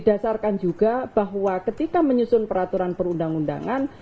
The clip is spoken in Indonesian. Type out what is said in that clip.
dan juga bahwa ketika menyusun peraturan perundang undangan